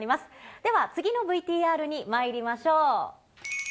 では、次のＶＴＲにまいりましょう。